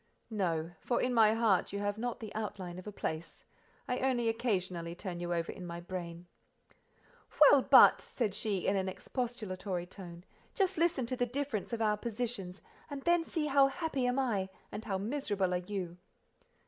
"No; for in my heart you have not the outline of a place: I only occasionally turn you over in my brain." "Well, but," said she, in an expostulatory tone, "just listen to the difference of our positions, and then see how happy am I, and how miserable are you."